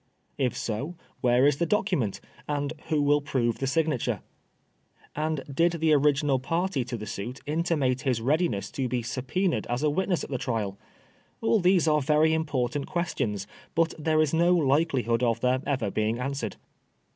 If so, where is the document, and who will prove the signature ? And did the original party to the suit intimate his readiness to be subpoenaed as a witness at the trial ? All these are very important questions, but there is no likelihood of their ever being answered.